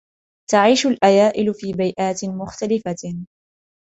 تعيش الأيائل في بيئات مختلفة